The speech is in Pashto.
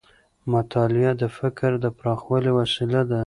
مطالعه د فکر د پراخوالي وسیله ده.